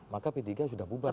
maka p tiga sudah bubar